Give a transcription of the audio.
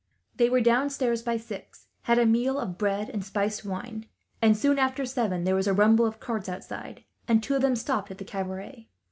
They were downstairs by six, had a meal of bread and spiced wine; and soon after seven there was a rumble of carts outside, and two of them stopped at the cabaret.